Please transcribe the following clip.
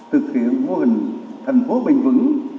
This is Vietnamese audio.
thực hiện mô hình thành phố bền vững